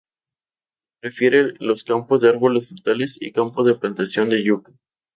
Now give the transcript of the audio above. Prefiere los campos de árboles frutales y campos de plantación de yuca.